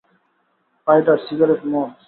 পাইডার, cigarette, মদ।